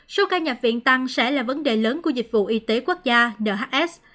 số ca nhập viện tăng sẽ là vấn đề lớn của dịch vụ y tế quốc gia nhs